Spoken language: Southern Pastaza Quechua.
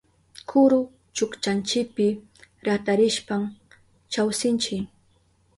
Kuru chukchanchipi ratarishpan chawsinchi.